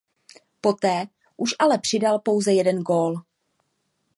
Poté už ale přidal pouze jeden gól.